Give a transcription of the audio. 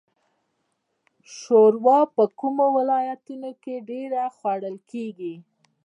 شوروا په کومو ولایتونو کې ډیره خوړل کیږي؟